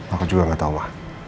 aku juga gak tau ma